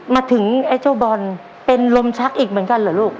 มาถึงไอ้เจ้าบอลเป็นลมชักอีกเหมือนกันเหรอลูก